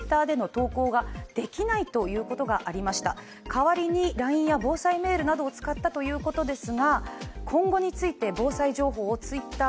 代わりにＬＩＮＥや防災メールを使ったということです。